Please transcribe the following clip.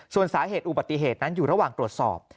ส่วนสาเหตุอุบัติเหตุนั้นอยู่ระหว่างตรวจสอบ